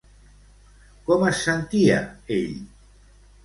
Com es sentia ell?